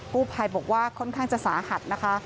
ผู้ภัยบอกว่าค่อนข้างจะสาหัสนะคะ